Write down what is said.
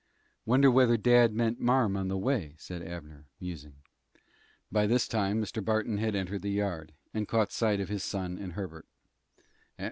"Wonder whether dad met marm on the way?" said Abner, musing. By this time, Mr. Barton had entered the yard, and caught sight of his son and Herbert.